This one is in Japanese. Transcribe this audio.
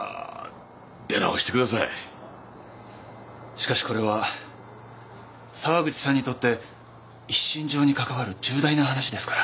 しかしこれは沢口さんにとって一身上にかかわる重大な話ですから。